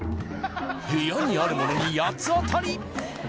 部屋にあるものに八つ当たり！